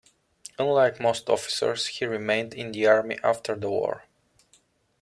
Unlike most officers, he remained in the army after the war.